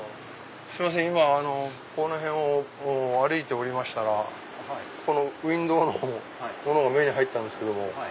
今この辺を歩いておりましたらこのウインドーのものが目に入ったんですけども。